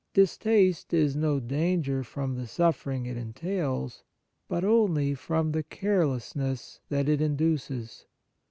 Distaste is no danger from the suf fering it entails, but only from the 54 The Nature of Piety carelessness that it induces.